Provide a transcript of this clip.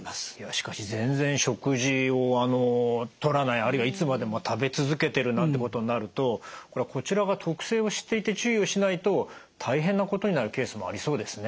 しかし全然食事をとらないあるいはいつまでも食べ続けてるなんてことになるとこちらが特性を知っていて注意をしないと大変なことになるケースもありそうですね。